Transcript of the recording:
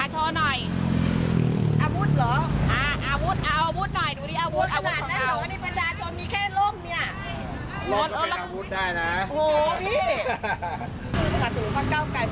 หลายตาชาวจิบก็ยังมาเลยค่ะ